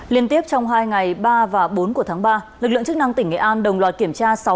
liên tiếp trong hai ngày ba và bốn của tháng ba lực lượng chức năng tỉnh nghệ an đồng loạt kiểm tra